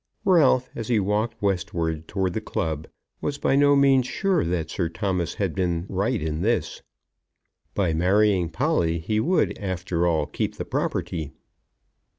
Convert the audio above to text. Ralph, as he walked westwards towards the club, was by no means sure that Sir Thomas had been right in this. By marrying Polly he would, after all, keep the property.